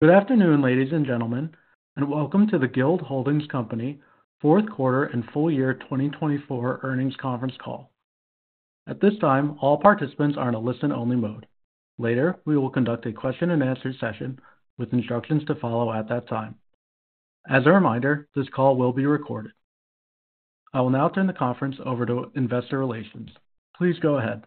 Good afternoon, ladies and gentlemen, and welcome to the Guild Holdings Company Fourth Quarter and Full Year 2024 Earnings Conference Call. At this time, all participants are in a listen-only mode. Later, we will conduct a question-and-answer session with instructions to follow at that time. As a reminder, this call will be recorded. I will now turn the conference over to Investor Relations. Please go ahead.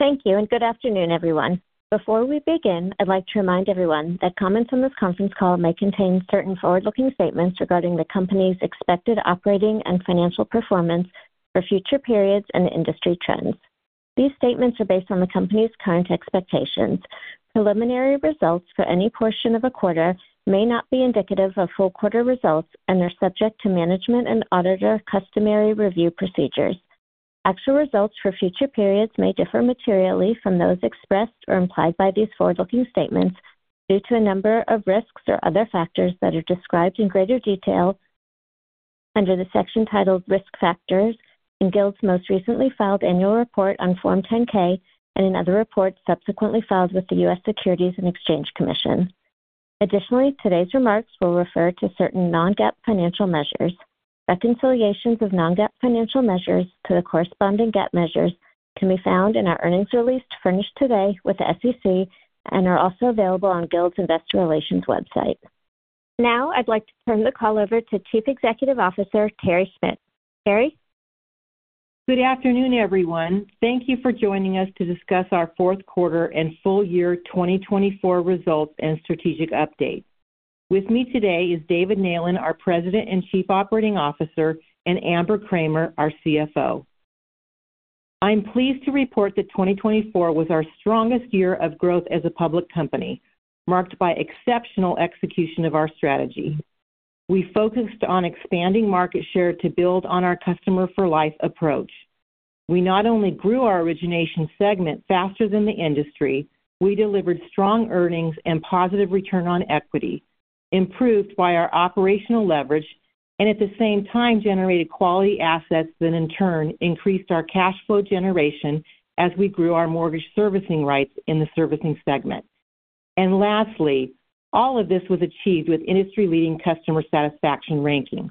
Thank you, and good afternoon, everyone. Before we begin, I'd like to remind everyone that comments on this conference call may contain certain forward-looking statements regarding the company's expected operating and financial performance for future periods and industry trends. These statements are based on the company's current expectations. Preliminary results for any portion of a quarter may not be indicative of full quarter results and are subject to management and auditor customary review procedures. Actual results for future periods may differ materially from those expressed or implied by these forward-looking statements due to a number of risks or other factors that are described in greater detail under the section titled Risk Factors in Guild's most recently filed annual report on Form 10-K and in other reports subsequently filed with the U.S. Securities and Exchange Commission. Additionally, today's remarks will refer to certain non-GAAP financial measures. Reconciliations of non-GAAP financial measures to the corresponding GAAP measures can be found in our earnings release furnished today with the SEC and are also available on Guild's Investor Relations website. Now, I'd like to turn the call over to Chief Executive Officer Terry Schmidt. Terry. Good afternoon, everyone. Thank you for joining us to discuss our fourth quarter and full year 2024 results and strategic update. With me today is David Neylan, our President and Chief Operating Officer, and Amber Kramer, our CFO. I'm pleased to report that 2024 was our strongest year of growth as a public company, marked by exceptional execution of our strategy. We focused on expanding market share to build on our customer-for-life approach. We not only grew our origination segment faster than the industry, we delivered strong earnings and positive return on equity, improved by our operational leverage, and at the same time generated quality assets that, in turn, increased our cash flow generation as we grew our mortgage servicing rights in the servicing segment. Lastly, all of this was achieved with industry-leading customer satisfaction rankings.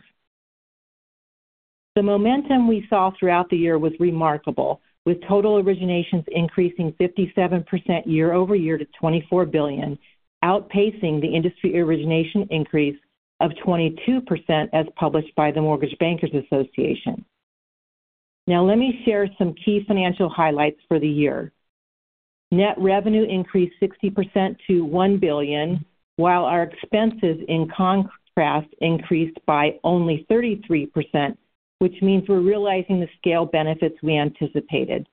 The momentum we saw throughout the year was remarkable, with total originations increasing 57% year over year to $24 billion, outpacing the industry origination increase of 22% as published by the Mortgage Bankers Association. Now, let me share some key financial highlights for the year. Net revenue increased 60% to $1 billion, while our expenses in contrast increased by only 33%, which means we're realizing the scale benefits we anticipated.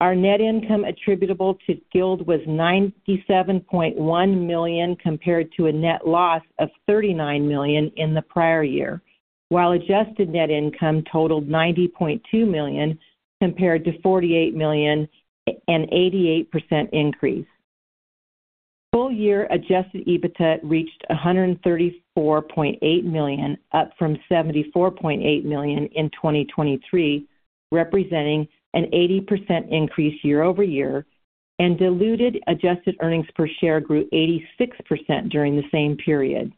Our net income attributable to Guild was $97.1 million compared to a net loss of $39 million in the prior year, while adjusted net income totaled $90.2 million compared to $48 million, an 88% increase. Full-year adjusted EBITDA reached $134.8 million, up from $74.8 million in 2023, representing an 80% increase year over year, and diluted adjusted earnings per share grew 86% during the same period.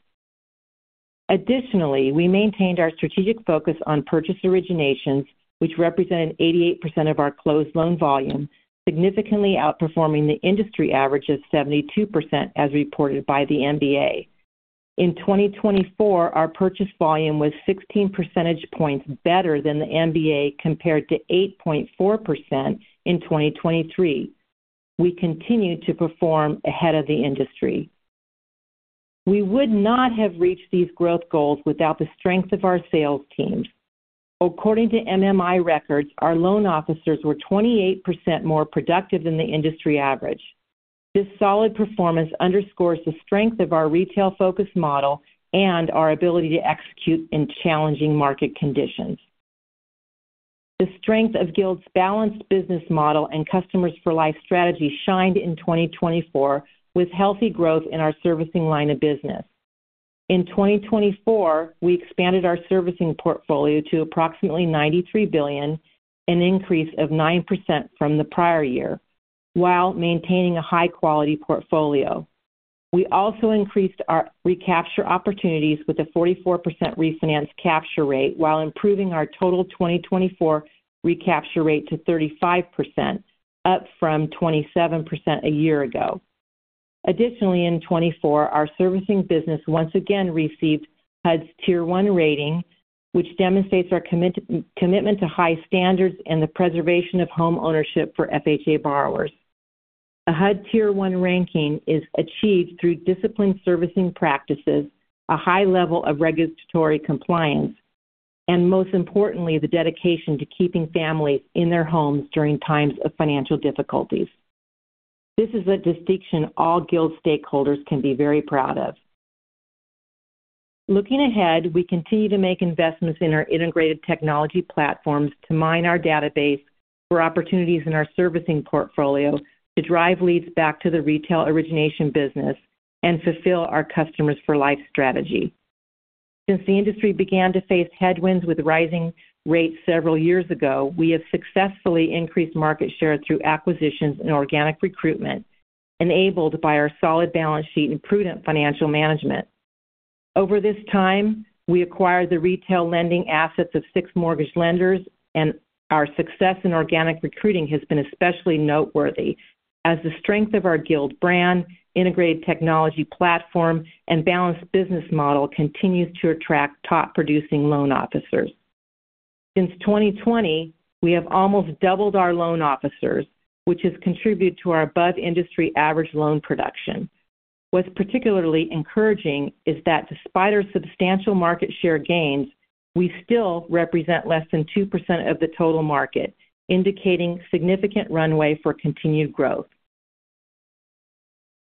Additionally, we maintained our strategic focus on purchase originations, which represented 88% of our closed loan volume, significantly outperforming the industry average of 72% as reported by the MBA. In 2024, our purchase volume was 16 percentage points better than the MBA compared to 8.4% in 2023. We continued to perform ahead of the industry. We would not have reached these growth goals without the strength of our sales teams. According to MMI records, our loan officers were 28% more productive than the industry average. This solid performance underscores the strength of our retail-focused model and our ability to execute in challenging market conditions. The strength of Guild's balanced business model and customer-for-life strategy shined in 2024 with healthy growth in our servicing line of business. In 2024, we expanded our servicing portfolio to approximately $93 billion, an increase of 9% from the prior year, while maintaining a high-quality portfolio. We also increased our recapture opportunities with a 44% refinance capture rate, while improving our total 2024 recapture rate to 35%, up from 27% a year ago. Additionally, in 2024, our servicing business once again received HUD's Tier 1 rating, which demonstrates our commitment to high standards and the preservation of homeownership for FHA borrowers. A HUD Tier 1 ranking is achieved through disciplined servicing practices, a high level of regulatory compliance, and most importantly, the dedication to keeping families in their homes during times of financial difficulties. This is a distinction all Guild stakeholders can be very proud of. Looking ahead, we continue to make investments in our integrated technology platforms to mine our database for opportunities in our servicing portfolio to drive leads back to the retail origination business and fulfill our customers-for-life strategy. Since the industry began to face headwinds with rising rates several years ago, we have successfully increased market share through acquisitions and organic recruitment, enabled by our solid balance sheet and prudent financial management. Over this time, we acquired the retail lending assets of six mortgage lenders, and our success in organic recruiting has been especially noteworthy as the strength of our Guild brand, integrated technology platform, and balanced business model continues to attract top-producing loan officers. Since 2020, we have almost doubled our loan officers, which has contributed to our above-industry average loan production. What's particularly encouraging is that despite our substantial market share gains, we still represent less than 2% of the total market, indicating significant runway for continued growth.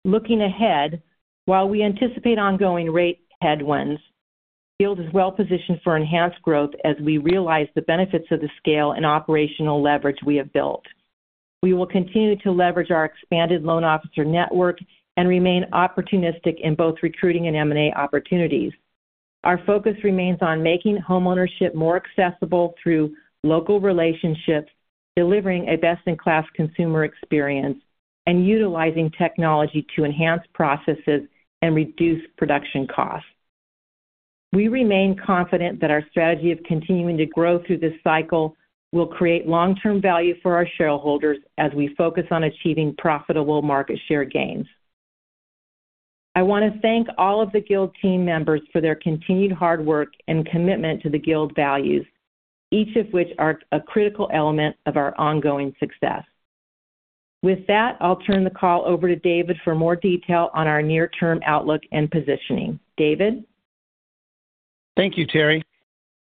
Looking ahead, while we anticipate ongoing rate headwinds, Guild is well-positioned for enhanced growth as we realize the benefits of the scale and operational leverage we have built. We will continue to leverage our expanded loan officer network and remain opportunistic in both recruiting and M&A opportunities. Our focus remains on making homeownership more accessible through local relationships, delivering a best-in-class consumer experience, and utilizing technology to enhance processes and reduce production costs. We remain confident that our strategy of continuing to grow through this cycle will create long-term value for our shareholders as we focus on achieving profitable market share gains. I want to thank all of the Guild team members for their continued hard work and commitment to the Guild values, each of which are a critical element of our ongoing success. With that, I'll turn the call over to David for more detail on our near-term outlook and positioning. David? Thank you, Terry.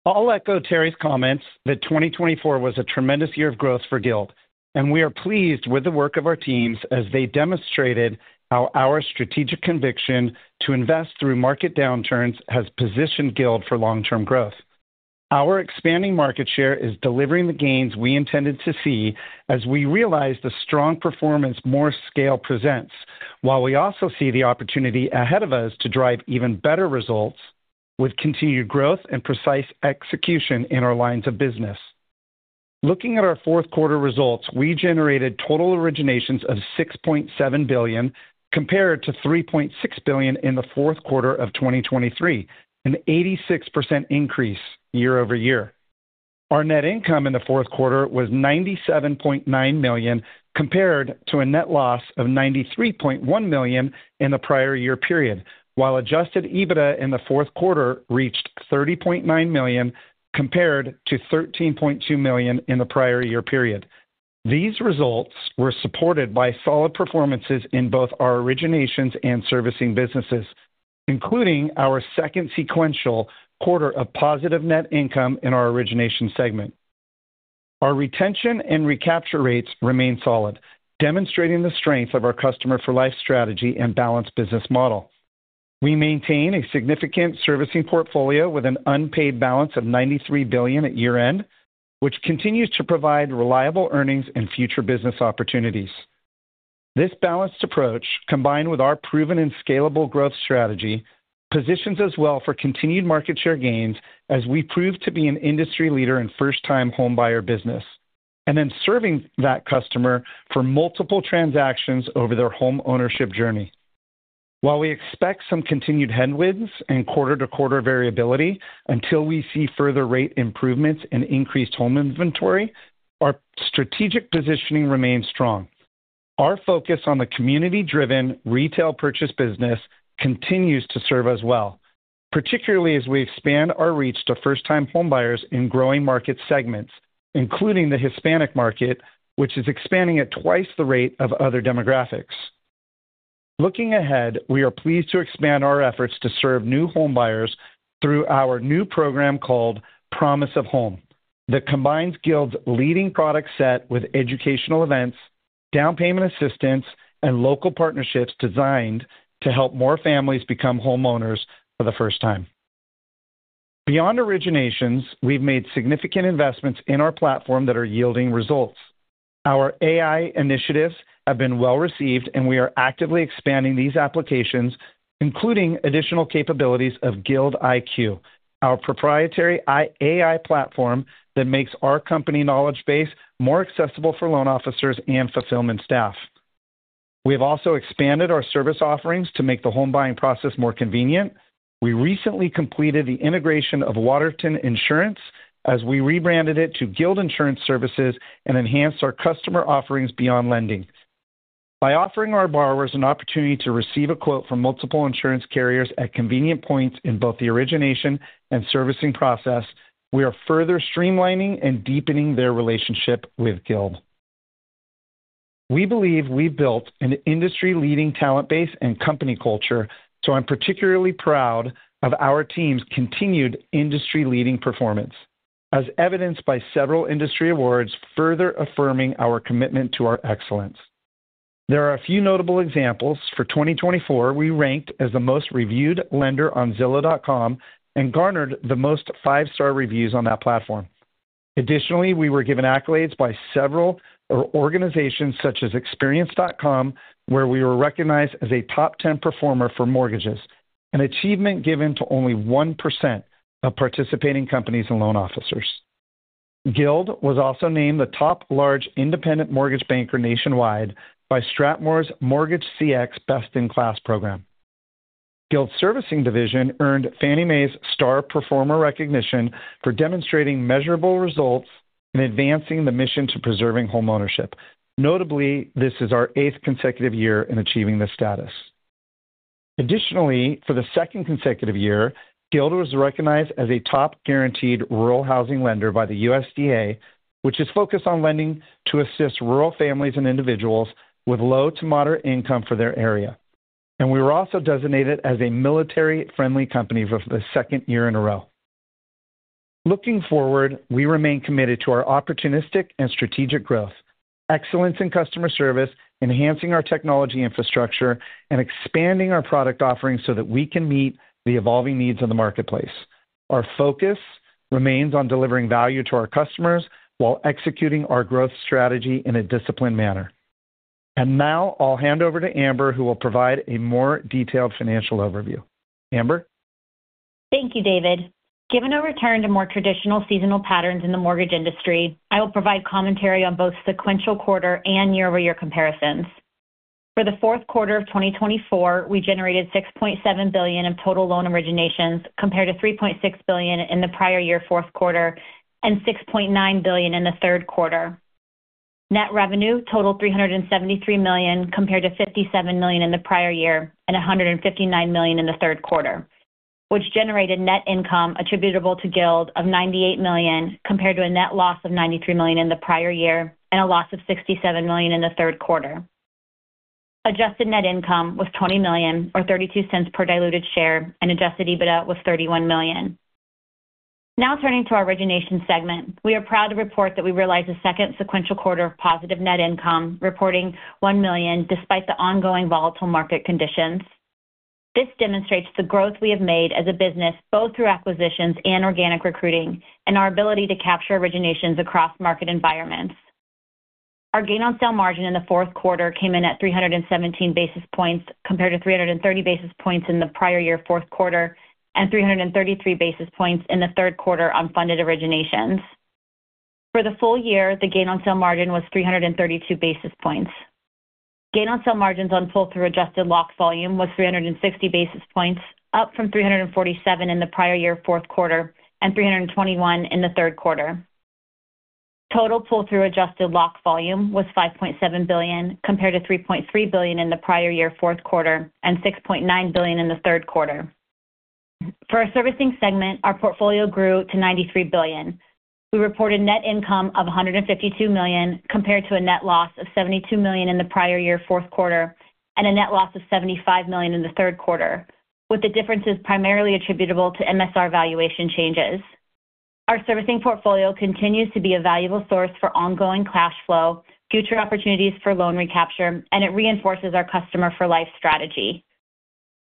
I'll echo Terry's comments that 2024 was a tremendous year of growth for Guild, and we are pleased with the work of our teams as they demonstrated how our strategic conviction to invest through market downturns has positioned Guild for long-term growth. Our expanding market share is delivering the gains we intended to see as we realize the strong performance more scale presents, while we also see the opportunity ahead of us to drive even better results with continued growth and precise execution in our lines of business. Looking at our fourth quarter results, we generated total originations of $6.7 billion compared to $3.6 billion in the fourth quarter of 2023, an 86% increase year over year. Our net income in the fourth quarter was $97.9 million compared to a net loss of $93.1 million in the prior year period, while adjusted EBITDA in the fourth quarter reached $30.9 million compared to $13.2 million in the prior year period. These results were supported by solid performances in both our originations and servicing businesses, including our second sequential quarter of positive net income in our origination segment. Our retention and recapture rates remain solid, demonstrating the strength of our customer-for-life strategy and balanced business model. We maintain a significant servicing portfolio with an unpaid balance of $93 billion at year-end, which continues to provide reliable earnings and future business opportunities. This balanced approach, combined with our proven and scalable growth strategy, positions us well for continued market share gains as we prove to be an industry leader in first-time home buyer business, and then serving that customer for multiple transactions over their homeownership journey. While we expect some continued headwinds and quarter-to-quarter variability until we see further rate improvements and increased home inventory, our strategic positioning remains strong. Our focus on the community-driven retail purchase business continues to serve us well, particularly as we expand our reach to first-time home buyers in growing market segments, including the Hispanic market, which is expanding at twice the rate of other demographics. Looking ahead, we are pleased to expand our efforts to serve new home buyers through our new program called Promise of Home, that combines Guild's leading product set with educational events, down payment assistance, and local partnerships designed to help more families become homeowners for the first time. Beyond originations, we've made significant investments in our platform that are yielding results. Our AI initiatives have been well-received, and we are actively expanding these applications, including additional capabilities of GuildIQ, our proprietary AI platform that makes our company knowledge base more accessible for loan officers and fulfillment staff. We have also expanded our service offerings to make the home buying process more convenient. We recently completed the integration of Waterton Insurance as we rebranded it to Guild Insurance Services and enhanced our customer offerings beyond lending. By offering our borrowers an opportunity to receive a quote from multiple insurance carriers at convenient points in both the origination and servicing process, we are further streamlining and deepening their relationship with Guild. We believe we've built an industry-leading talent base and company culture, so I'm particularly proud of our team's continued industry-leading performance, as evidenced by several industry awards further affirming our commitment to our excellence. There are a few notable examples. For 2024, we ranked as the most reviewed lender on Zillow.com and garnered the most five-star reviews on that platform. Additionally, we were given accolades by several organizations, such as Experience.com, where we were recognized as a top 10 performer for mortgages, an achievement given to only 1% of participating companies and loan officers. Guild was also named the top large independent mortgage banker nationwide by Strathmore's MortgageCX Best in Class program. Guild's servicing division earned Fannie Mae's Star Performer recognition for demonstrating measurable results and advancing the mission to preserving homeownership. Notably, this is our eighth consecutive year in achieving this status. Additionally, for the second consecutive year, Guild was recognized as a top guaranteed rural housing lender by the USDA, which is focused on lending to assist rural families and individuals with low to moderate income for their area. We were also designated as a military-friendly company for the second year in a row. Looking forward, we remain committed to our opportunistic and strategic growth, excellence in customer service, enhancing our technology infrastructure, and expanding our product offerings so that we can meet the evolving needs of the marketplace. Our focus remains on delivering value to our customers while executing our growth strategy in a disciplined manner. Now I'll hand over to Amber, who will provide a more detailed financial overview. Amber? Thank you, David. Given a return to more traditional seasonal patterns in the mortgage industry, I will provide commentary on both sequential quarter and year-over-year comparisons. For the fourth quarter of 2024, we generated $6.7 billion in total loan originations compared to $3.6 billion in the prior year fourth quarter and $6.9 billion in the third quarter. Net revenue totaled $373 million compared to $57 million in the prior year and $159 million in the third quarter, which generated net income attributable to Guild of $98 million compared to a net loss of $93 million in the prior year and a loss of $67 million in the third quarter. Adjusted net income was $20 million, or $0.32 per diluted share, and adjusted EBITDA was $31 million. Now turning to our origination segment, we are proud to report that we realized a second sequential quarter of positive net income, reporting $1 million despite the ongoing volatile market conditions. This demonstrates the growth we have made as a business both through acquisitions and organic recruiting and our ability to capture originations across market environments. Our gain-on-sale margin in the fourth quarter came in at 317 basis points compared to 330 basis points in the prior year fourth quarter and 333 basis points in the third quarter on funded originations. For the full year, the gain-on-sale margin was 332 basis points. Gain-on-sale margins on pull-through adjusted locked volume was 360 basis points, up from 347 in the prior year fourth quarter and 321 in the third quarter. Total pull-through adjusted locked volume was $5.7 billion compared to $3.3 billion in the prior year fourth quarter and $6.9 billion in the third quarter. For our servicing segment, our portfolio grew to $93 billion. We reported net income of $152 million compared to a net loss of $72 million in the prior year fourth quarter and a net loss of $75 million in the third quarter, with the differences primarily attributable to MSR valuation changes. Our servicing portfolio continues to be a valuable source for ongoing cash flow, future opportunities for loan recapture, and it reinforces our customer-for-life strategy.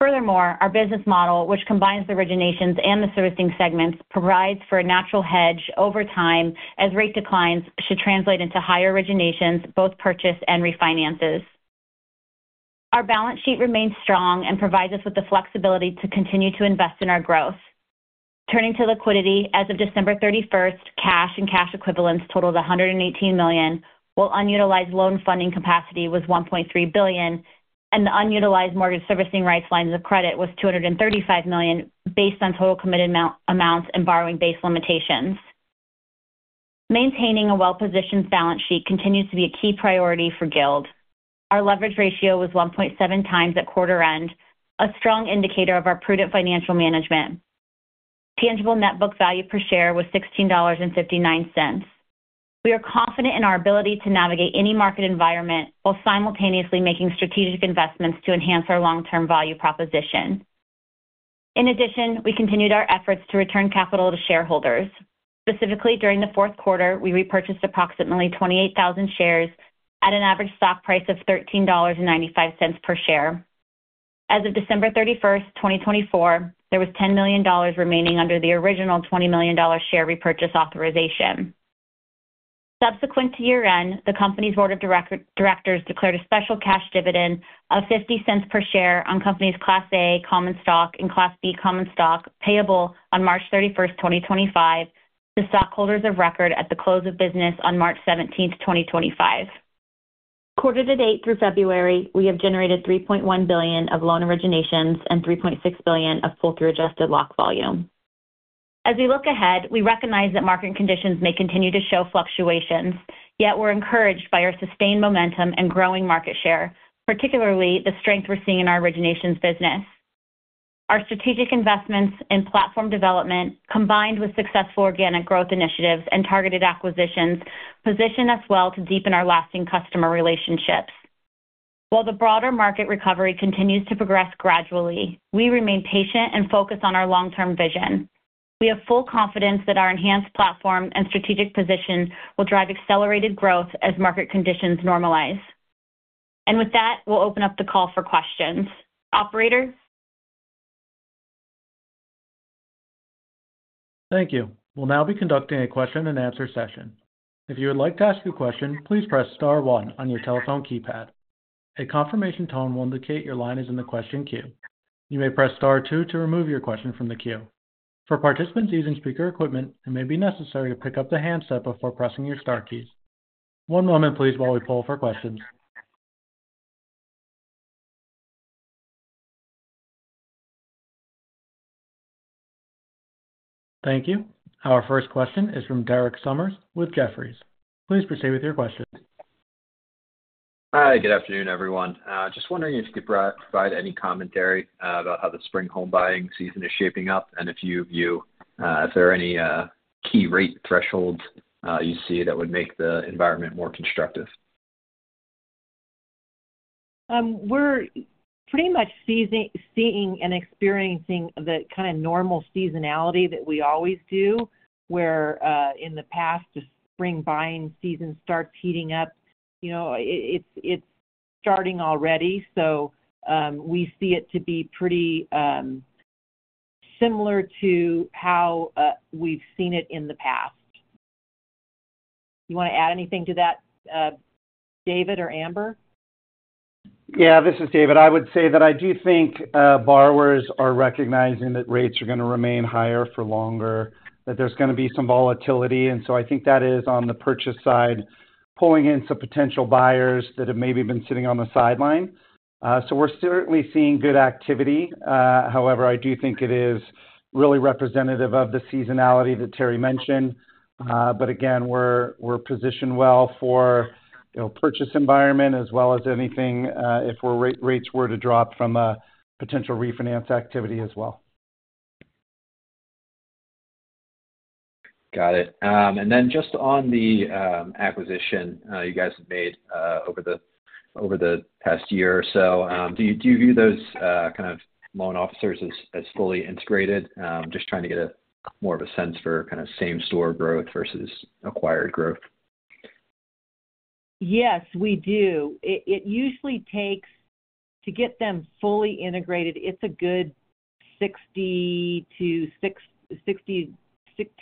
Furthermore, our business model, which combines the originations and the servicing segments, provides for a natural hedge over time as rate declines should translate into higher originations, both purchase and refinances. Our balance sheet remains strong and provides us with the flexibility to continue to invest in our growth. Turning to liquidity, as of December 31, cash and cash equivalents totaled $118 million, while unutilized loan funding capacity was $1.3 billion, and the unutilized mortgage servicing rights lines of credit was $235 million based on total committed amounts and borrowing base limitations. Maintaining a well-positioned balance sheet continues to be a key priority for Guild. Our leverage ratio was 1.7 times at quarter end, a strong indicator of our prudent financial management. Tangible net book value per share was $16.59. We are confident in our ability to navigate any market environment while simultaneously making strategic investments to enhance our long-term value proposition. In addition, we continued our efforts to return capital to shareholders. Specifically, during the fourth quarter, we repurchased approximately 28,000 shares at an average stock price of $13.95 per share. As of December 31, 2024, there was $10 million remaining under the original $20 million share repurchase authorization. Subsequent to year-end, the company's board of directors declared a special cash dividend of $0.50 per share on the company's Class A Common Stock and Class B Common Stock payable on March 31, 2025, to stockholders of record at the close of business on March 17, 2025. Quarter to date through February, we have generated $3.1 billion of loan originations and $3.6 billion of pull-through adjusted locked volume. As we look ahead, we recognize that market conditions may continue to show fluctuations, yet we're encouraged by our sustained momentum and growing market share, particularly the strength we're seeing in our originations business. Our strategic investments in platform development, combined with successful organic growth initiatives and targeted acquisitions, position us well to deepen our lasting customer relationships. While the broader market recovery continues to progress gradually, we remain patient and focused on our long-term vision. We have full confidence that our enhanced platform and strategic position will drive accelerated growth as market conditions normalize. With that, we'll open up the call for questions. Operator? Thank you. We'll now be conducting a question-and-answer session. If you would like to ask a question, please press Star one on your telephone keypad. A confirmation tone will indicate your line is in the question queue. You may press Star 2 to remove your question from the queue. For participants using speaker equipment, it may be necessary to pick up the handset before pressing your star keys. One moment, please, while we pull for questions. Thank you. Our first question is from Derek Summers with Jefferies. Please proceed with your question. Hi, good afternoon, everyone. Just wondering if you could provide any commentary about how the spring home buying season is shaping up and if you view if there are any key rate thresholds you see that would make the environment more constructive. We're pretty much seeing and experiencing the kind of normal seasonality that we always do, where in the past, the spring buying season starts heating up. It's starting already, so we see it to be pretty similar to how we've seen it in the past. You want to add anything to that, David or Amber? Yeah, this is David. I would say that I do think borrowers are recognizing that rates are going to remain higher for longer, that there's going to be some volatility. I think that is on the purchase side, pulling in some potential buyers that have maybe been sitting on the sideline. We're certainly seeing good activity. However, I do think it is really representative of the seasonality that Terry mentioned. Again, we're positioned well for a purchase environment as well as anything if rates were to drop from a potential refinance activity as well. Got it. Just on the acquisition you guys have made over the past year or so, do you view those kind of loan officers as fully integrated? Just trying to get more of a sense for kind of same-store growth versus acquired growth. Yes, we do. It usually takes to get them fully integrated, it's a good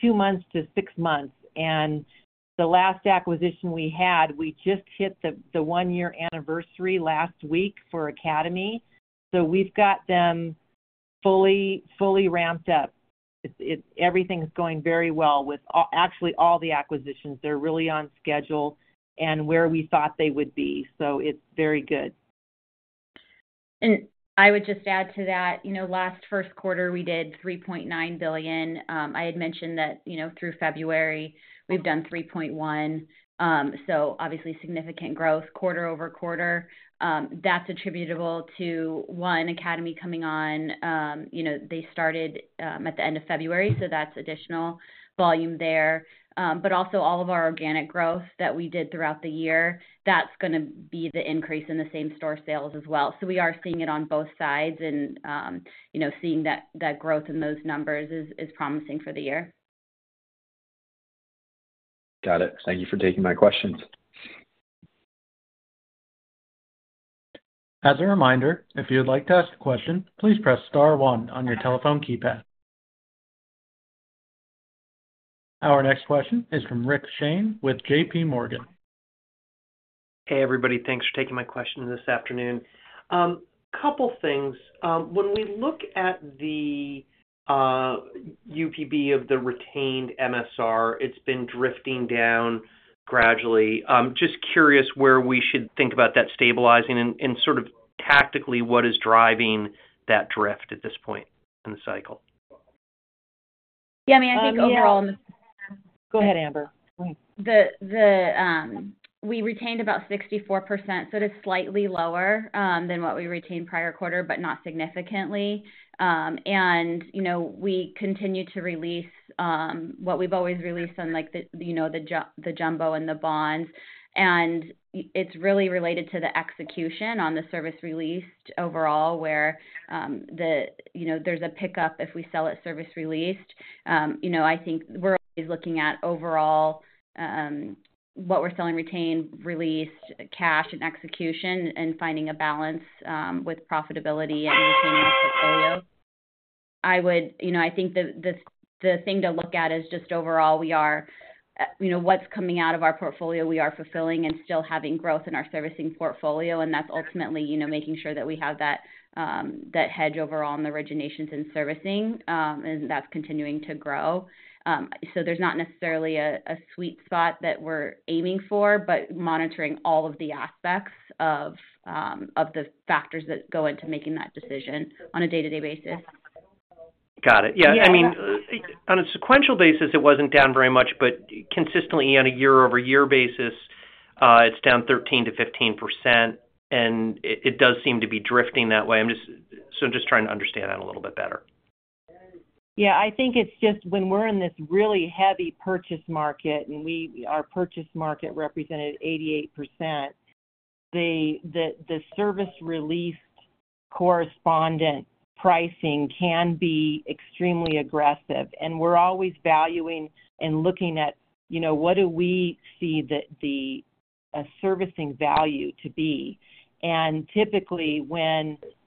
two months to six months. The last acquisition we had, we just hit the one-year anniversary last week for Academy. We have got them fully ramped up. Everything's going very well with actually all the acquisitions. They are really on schedule and where we thought they would be. It is very good. I would just add to that, last first quarter, we did $3.9 billion. I had mentioned that through February, we've done $3.1 billion. Obviously, significant growth quarter over quarter. That's attributable to, one, Academy coming on. They started at the end of February, so that's additional volume there. Also, all of our organic growth that we did throughout the year, that's going to be the increase in the same-store sales as well. We are seeing it on both sides and seeing that growth in those numbers is promising for the year. Got it. Thank you for taking my questions. As a reminder, if you'd like to ask a question, please press Star one on your telephone keypad. Our next question is from Rick Shane with J.P. Morgan. Hey, everybody. Thanks for taking my question this afternoon. A couple of things. When we look at the UPB of the retained MSR, it's been drifting down gradually. Just curious where we should think about that stabilizing and sort of tactically what is driving that drift at this point in the cycle. Yeah, I mean, I think overall. Go ahead, Amber. We retained about 64%, so it is slightly lower than what we retained prior quarter, but not significantly. We continue to release what we've always released on the jumbo and the bonds. It is really related to the execution on the service released overall, where there's a pickup if we sell at service released. I think we're always looking at overall what we're selling retained, released, cash, and execution and finding a balance with profitability and retaining our portfolio. I think the thing to look at is just overall we are what's coming out of our portfolio, we are fulfilling and still having growth in our servicing portfolio. That is ultimately making sure that we have that hedge overall on the originations and servicing, and that's continuing to grow. There's not necessarily a sweet spot that we're aiming for, but monitoring all of the aspects of the factors that go into making that decision on a day-to-day basis. Got it. Yeah. I mean, on a sequential basis, it wasn't down very much, but consistently on a year-over-year basis, it's down 13-15%. It does seem to be drifting that way. I am just trying to understand that a little bit better. Yeah, I think it's just when we're in this really heavy purchase market and our purchase market represented 88%, the service-released correspondent pricing can be extremely aggressive. We're always valuing and looking at what do we see the servicing value to be. Typically,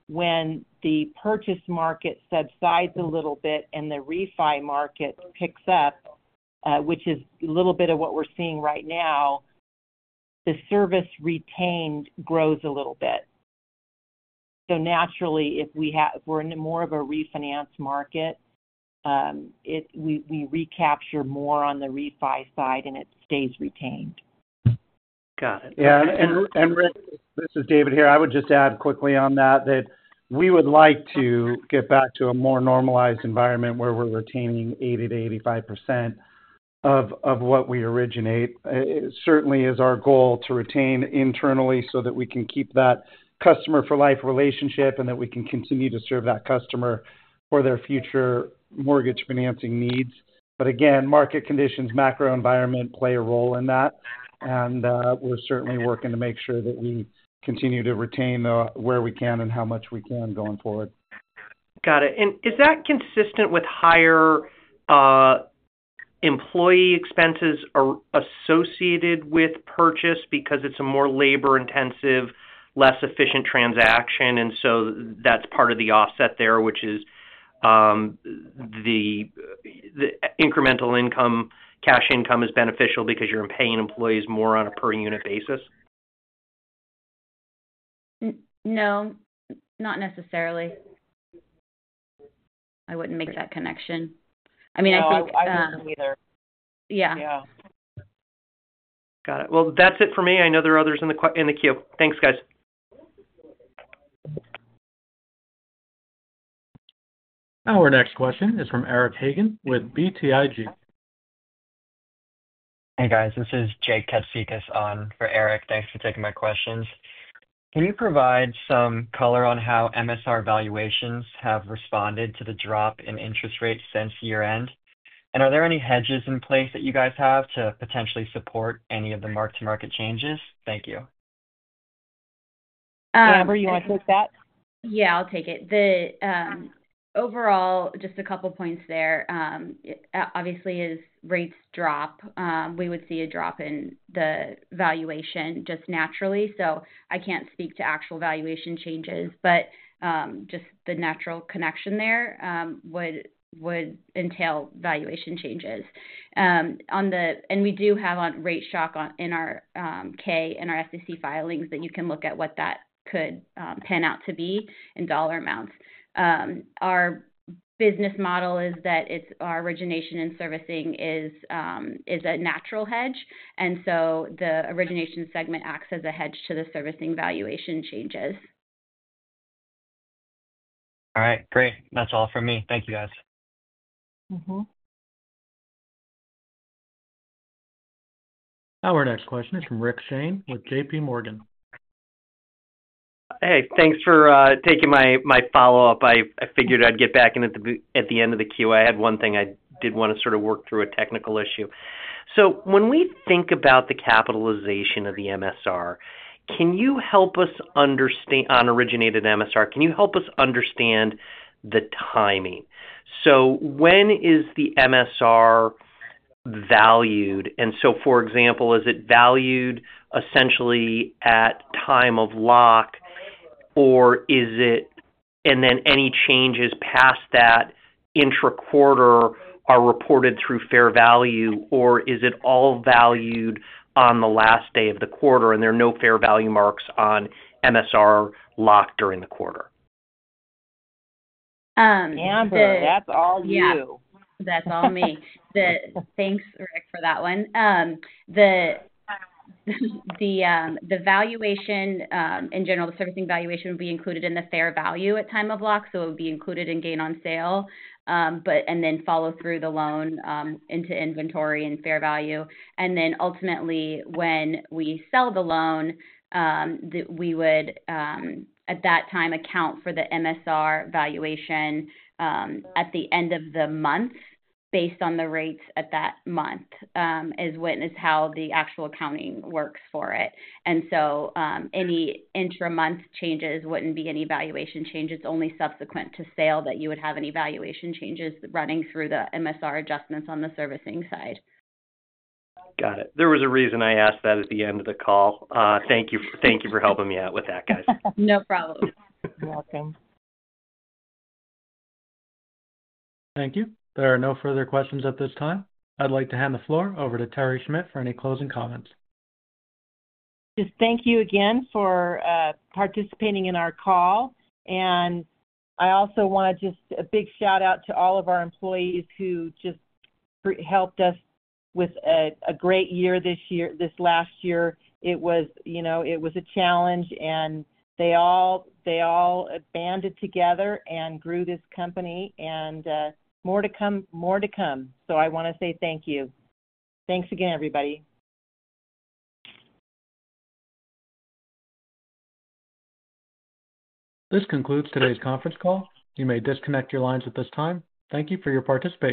when the purchase market subsides a little bit and the refi market picks up, which is a little bit of what we're seeing right now, the service retained grows a little bit. Naturally, if we're in more of a refinance market, we recapture more on the refi side and it stays retained. Got it. Yeah. Rich, this is David here. I would just add quickly on that that we would like to get back to a more normalized environment where we're retaining 80-85% of what we originate. It certainly is our goal to retain internally so that we can keep that customer-for-life relationship and that we can continue to serve that customer for their future mortgage financing needs. Again, market conditions, macro environment play a role in that. We're certainly working to make sure that we continue to retain where we can and how much we can going forward. Got it. Is that consistent with higher employee expenses associated with purchase because it's a more labor-intensive, less efficient transaction? That's part of the offset there, which is the incremental income, cash income is beneficial because you're paying employees more on a per-unit basis? No, not necessarily. I wouldn't make that connection. I mean, I think. No, I wouldn't either. Yeah. Yeah. Got it. That is it for me. I know there are others in the queue. Thanks, guys. Our next question is from Eric Hagen with BTIG. Hey, guys. This is Jake Katsikas on for Eric. Thanks for taking my questions. Can you provide some color on how MSR valuations have responded to the drop in interest rates since year-end? Are there any hedges in place that you guys have to potentially support any of the mark-to-market changes? Thank you. Amber, you want to take that? Yeah, I'll take it. Overall, just a couple of points there. Obviously, as rates drop, we would see a drop in the valuation just naturally. I can't speak to actual valuation changes, but just the natural connection there would entail valuation changes. We do have on rate shock in our K and our SEC filings that you can look at what that could pan out to be in dollar amounts. Our business model is that our origination and servicing is a natural hedge. The origination segment acts as a hedge to the servicing valuation changes. All right. Great. That's all from me. Thank you, guys. Our next question is from Rick Shane with JP Morgan. Hey, thanks for taking my follow-up. I figured I'd get back in at the end of the queue. I had one thing I did want to sort of work through, a technical issue. When we think about the capitalization of the MSR, can you help us understand on originated MSR, can you help us understand the timing? When is the MSR valued? For example, is it valued essentially at time of lock, or is it, and then any changes past that intra-quarter are reported through fair value, or is it all valued on the last day of the quarter and there are no fair value marks on MSR lock during the quarter? Amber, that's all you. That's all me. Thanks, Rick, for that one. The valuation in general, the servicing valuation would be included in the fair value at time of lock, so it would be included in gain on sale, and then follow through the loan into inventory and fair value. Ultimately, when we sell the loan, we would at that time account for the MSR valuation at the end of the month based on the rates at that month is how the actual accounting works for it. Any intra-month changes would not be any valuation change. It's only subsequent to sale that you would have any valuation changes running through the MSR adjustments on the servicing side. Got it. There was a reason I asked that at the end of the call. Thank you for helping me out with that, guys. No problem. You're welcome. Thank you. There are no further questions at this time. I'd like to hand the floor over to Terry Schmidt for any closing comments. Thank you again for participating in our call. I also want to give a big shout-out to all of our employees who helped us with a great year this last year. It was a challenge, and they all banded together and grew this company. More to come, more to come. I want to say thank you. Thanks again, everybody. This concludes today's conference call. You may disconnect your lines at this time. Thank you for your participation.